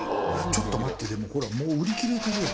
ちょっと待ってでもほらもう売り切れてるやん。